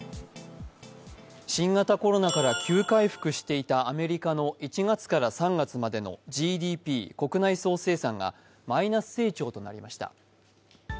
新型コロナから急回復していたアメリカの１月から３月までのＧＤＰ＝国内総生産がマイナス成長となりました。